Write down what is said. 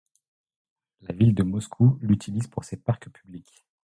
La ville de Moscou l'utilise pour ses parcs publics.